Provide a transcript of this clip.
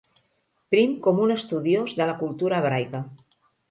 Prim com un estudiós de la cultura hebraica.